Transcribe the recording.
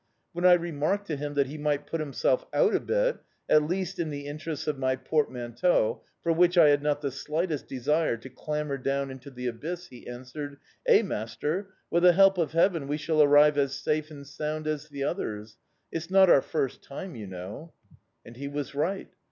When I remarked to him that he might put himself out a bit, at least in the interests of my portmanteau, for which I had not the slightest desire to clamber down into the abyss, he answered: "Eh, master, with the help of Heaven we shall arrive as safe and sound as the others; it's not our first time, you know." And he was right.